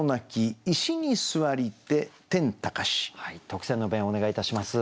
特選の弁をお願いいたします。